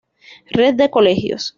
Red de Colegios".